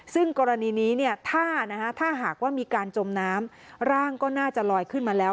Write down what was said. ซึ่งกรณีนี้ถ้าหากว่ามีการจมน้ำร่างก็น่าจะลอยขึ้นมาแล้ว